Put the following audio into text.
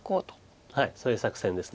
はいそういう作戦です。